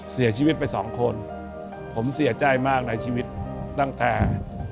เสียชีวิตไปสองคนผมเสียใจมากในชีวิตตั้งแต่